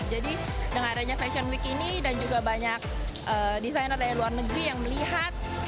jadi dengan adanya fashion week ini dan juga banyak desainer dari luar negeri yang melihat